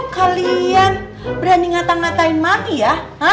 kalian berani ngatain ngatain mami ya